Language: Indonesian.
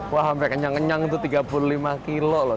wah sampai kenyang kenyang itu tiga puluh lima kilo loh